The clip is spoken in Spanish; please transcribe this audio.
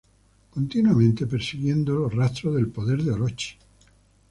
Continuamente persiguiendo los rastros del poder de Orochi.